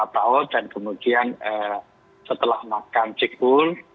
empat tahun dan kemudian setelah makan s cikbul